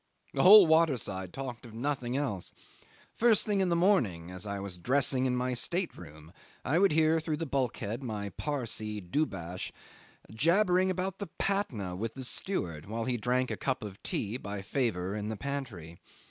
The whole waterside talked of nothing else. First thing in the morning as I was dressing in my state room, I would hear through the bulkhead my Parsee Dubash jabbering about the Patna with the steward, while he drank a cup of tea, by favour, in the pantry.